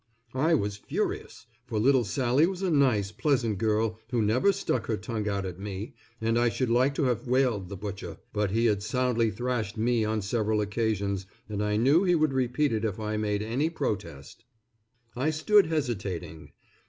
I was furious, for little Sally was a nice pleasant girl who never stuck her tongue out at me, and I should like to have whaled the Butcher, but he had soundly thrashed me on several occasions, and I knew he would repeat if I made any protest. I stood hesitating.